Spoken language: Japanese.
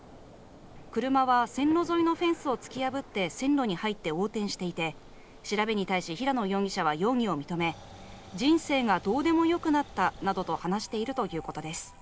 車は線路沿いのフェンスを突き破って線路に入って横転していて調べに対し平野容疑者は容疑を認め人生がどうでもよくなったなどと話しているということです。